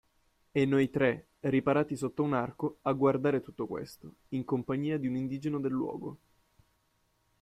E noi tre, riparati sotto un arco, a guardare tutto questo, in compagnia di un indigeno del luogo.